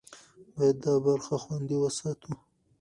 باید دا برخه خوندي وساتو.